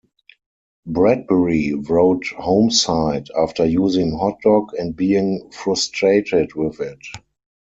Bradbury wrote HomeSite after using HotDog and being frustrated with it.